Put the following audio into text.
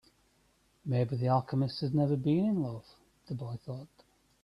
Maybe the alchemist has never been in love, the boy thought.